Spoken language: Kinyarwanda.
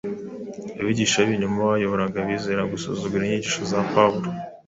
Abigisha b’ibinyoma bayoboraga abizera gusuzugura inyigisho za Pawulo.